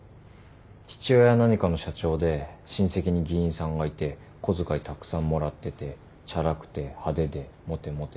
父親は何かの社長で親戚に議員さんがいて小遣いたくさんもらっててチャラくて派手でモテモテで。